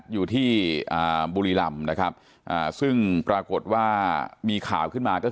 อยู่ที่บุรีรำนะครับซึ่งปรากฏว่ามีข่าวขึ้นมาก็คือ